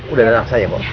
udah dana langsung aja ma